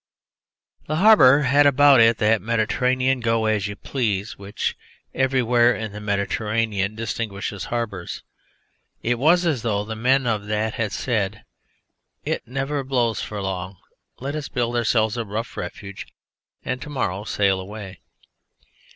The harbour had about it that Mediterranean go as you please which everywhere in the Mediterranean distinguishes harbours. It was as though the men of that sea had said: "It never blows for long: let us build ourselves a rough refuge and to morrow sail away."